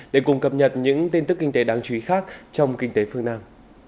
để cùng cập nhật những tin tức kinh tế đáng chú ý khác trong kinh tế phương nam